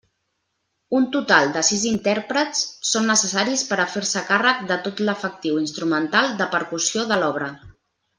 Un total de sis intèrprets són necessaris per a fer-se càrrec de tot l'efectiu instrumental de percussió de l'obra.